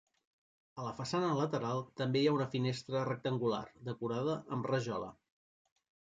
A la façana lateral també hi ha una finestra rectangular decorada amb rajola.